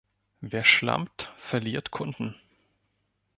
Wer schlampt, verliert Kunden.